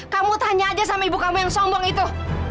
kamu tanya aja sama ibu kamu yang sombong itu